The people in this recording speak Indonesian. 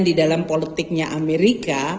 di dalam politiknya amerika